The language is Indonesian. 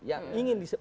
yang ingin disebut